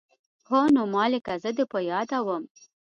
هو نو مالې که زه دې په ياده وم.